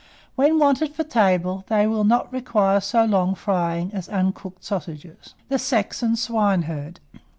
When wanted for table, they will not require so long frying as uncooked sausages. THE SAXON SWINEHERD.